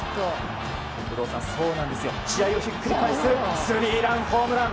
試合をひっくり返すスリーランホームラン。